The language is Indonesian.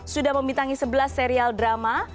sudah membintangi sebelas serial drama